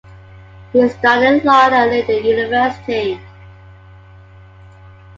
He studied law at Leiden University.